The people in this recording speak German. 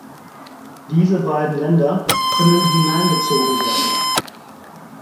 Diese beiden Länder können hineingezogen werden.